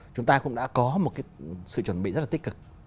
chúng ta cũng đã có một cái sự chuẩn bị rất là tích cực